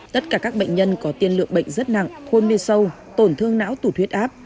tất cả các bệnh nhân có tiên lượng bệnh rất nặng thôn mi sâu tổn thương não tủ thuyết áp